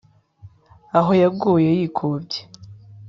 aho yaguye yikubye